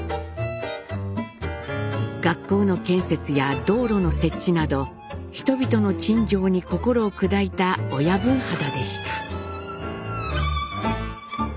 学校の建設や道路の設置など人々の陳情に心を砕いた親分肌でした。